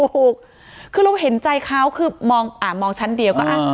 ถูกคือเราเห็นใจเขาคือมองชั้นเดียวก็